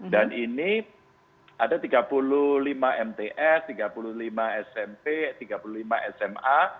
dan ini ada tiga puluh lima mts tiga puluh lima smp tiga puluh lima sma